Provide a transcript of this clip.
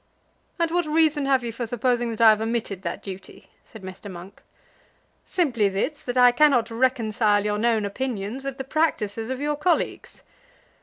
"And what reason have you for supposing that I have omitted that duty?" said Mr. Monk. "Simply this, that I cannot reconcile your known opinions with the practices of your colleagues."